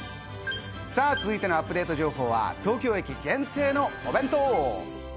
続いてのアップデート情報は東京駅限定のお弁当。